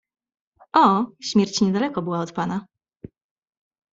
"O, śmierć niedaleko była od pana."